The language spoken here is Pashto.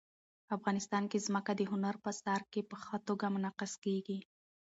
افغانستان کې ځمکه د هنر په اثار کې په ښه توګه منعکس کېږي.